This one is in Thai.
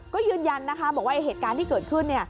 ก็ยืนยันนะคะบอกว่าเหตุการณ์ที่เกิดขึ้น